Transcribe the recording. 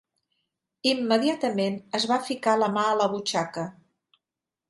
Immediatament es va ficar la la mà a la butxaca